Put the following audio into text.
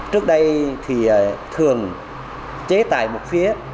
trước đây thì thường chế tài một phía